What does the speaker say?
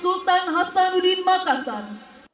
sultan hasanuddin makassar